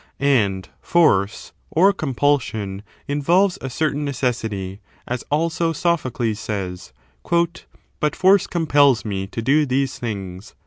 And force, or compulsion, involves a certain necessity, as also Sophocles ^ says :— "But force compels me to do these things."